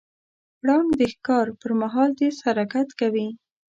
پړانګ د ښکار پر مهال تیز حرکت کوي.